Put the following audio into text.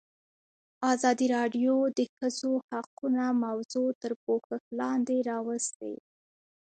ازادي راډیو د د ښځو حقونه موضوع تر پوښښ لاندې راوستې.